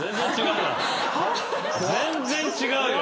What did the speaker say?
全然違うよ。